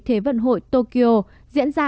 thế vận hội tokyo diễn ra